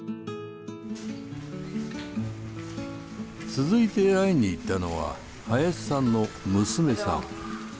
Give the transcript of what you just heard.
続いて会いに行ったのは林さんの娘さん。